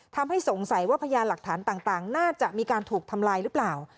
ทำให้สงสัยว่าพยานหลักฐานต่างน่าจะมีการถูกทำลายหรือเปล่า